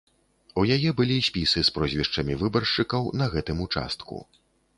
У яе былі спісы з прозвішчамі выбаршчыкаў на гэтым участку.